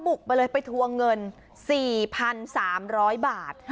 บุกไปเลยไปทวงเงิน๔๓๐๐บาท